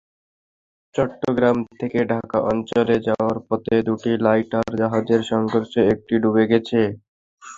চট্টগ্রাম থেকে ঢাকা অঞ্চলে যাওয়ার পথে দুটি লাইটার জাহাজের সংঘর্ষে একটি ডুবে গেছে।